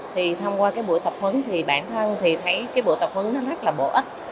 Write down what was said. thì thông qua cái buổi tập huấn thì bản thân thì thấy cái buổi tập huấn nó rất là bổ ích